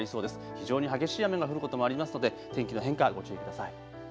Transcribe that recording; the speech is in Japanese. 非常に激しい雨が降ることもありますので天気の変化、ご注意ください。